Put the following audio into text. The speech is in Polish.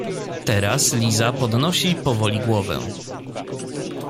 Teraz Liza podnosi powoli głowę.